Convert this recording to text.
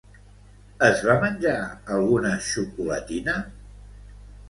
Es va menjar alguna xocolatina?